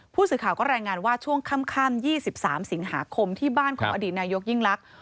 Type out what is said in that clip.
ผู้สื่อข่าวก็รายงานว่าช่วงค่ำ๒๓สิงหาคมที่บ้านของอดีตนายกยิ่งลักษณ